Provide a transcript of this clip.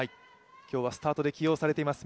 今日はスタートで起用されています